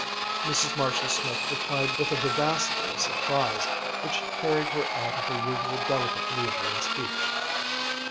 Mrs. Marshall Smith replied with a vivacity of surprise which carried her out of her usual delicate leisure in speech.